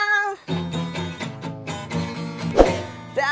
tabu tabu tadi undang